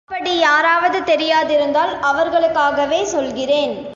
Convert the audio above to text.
அப்படி யாராவது தெரியாதிருந்தால் அவர்களுக்காகவே சொல்கிறேன்.